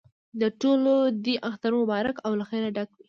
د ټولو دې اختر مبارک او له خیره ډک وي.